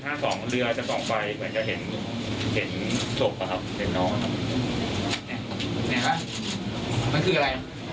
ต๋อมมีชัดมากขึ้นละ